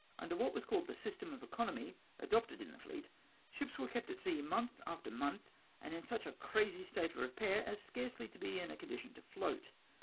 Under what was called the system of economy, adopted in the fleet, ships were kept at sea month after month, and in such a crazy state of repair, as scarcely to be in a condition to float.